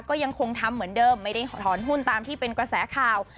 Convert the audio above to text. ก็ยังคงทำเหมือนเดิมไม่ได้ถอนหุ้นตามที่เป็นกระแสข่าว